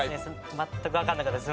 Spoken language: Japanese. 全くわかんなかったです。